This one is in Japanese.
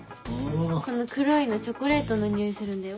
この黒いのチョコレートの匂いするんだよ。